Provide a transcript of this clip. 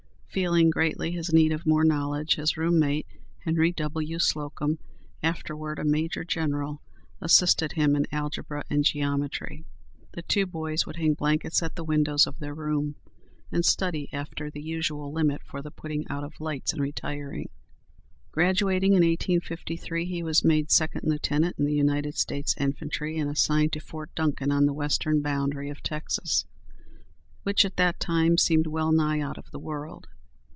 Feeling greatly his need of more knowledge, his room mate, Henry W. Slocum, afterward a major general, assisted him in algebra and geometry. The two boys would hang blankets at the windows of their room, and study after the usual limit for the putting out of lights and retiring. Graduating in 1853, he was made second lieutenant in the United States Infantry, and assigned to Fort Duncan on the western boundary of Texas, which at that time seemed wellnigh out of the world.